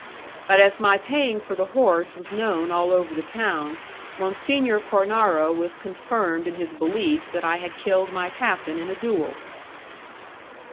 But as my paying for the horse was known all over the town, Monsignor Cornaro was confirmed in his belief that I had killed my captain in a duel.